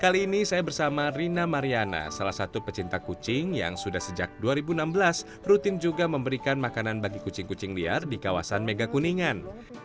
kali ini saya bersama rina mariana salah satu pecinta kucing yang sudah sejak dua ribu enam belas rutin juga memberikan makanan bagi kucing kucing liar di kawasan megakuningan